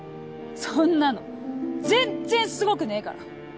そんなの全然すごくねえから！